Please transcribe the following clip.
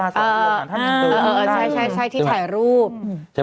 ใช่ชัย